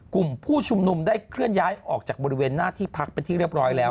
กลุ่มผู้ชุมนุมได้เคลื่อนย้ายออกจากบริเวณหน้าที่พักเป็นที่เรียบร้อยแล้ว